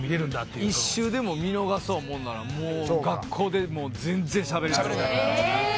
１週でも見逃そうものなら学校で全然しゃべりかけられない。